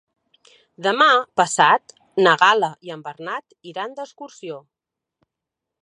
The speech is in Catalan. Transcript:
Demà passat na Gal·la i en Bernat iran d'excursió.